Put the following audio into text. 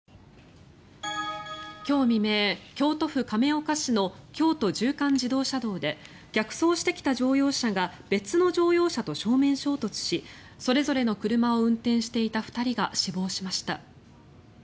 今日未明、京都府亀岡市の京都縦貫自動車道で逆走してきた乗用車が別の乗用車と正面衝突しそれぞれの車を運転していた２人が死亡しました。